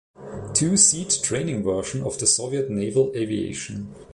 Two-seat training version of the Soviet Naval Aviation.